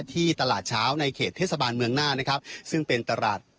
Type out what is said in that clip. ที่ตลาดเช้าในเขตเทสบาลเมืองนานะครับ